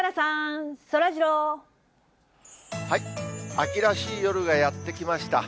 秋らしい夜がやって来ました。